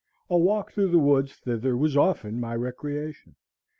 A walk through the woods thither was often my recreation.